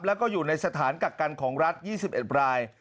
แล้วก็อยู่ในสถานกักกันของรัฐ๒๑ราย